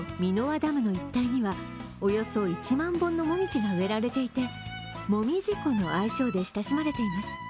ダムの一帯にはおよそ１万本の紅葉が植えられていてもみじ湖の愛称で親しまれています。